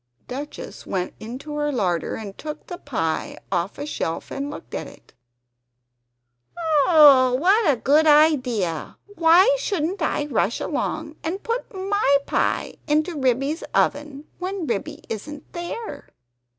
Duchess went into her larder and took the pie off a shelf and looked at it. "Oh what a good idea! Why shouldn't I rush along and put my pie into Ribby's oven when Ribby isn't there?"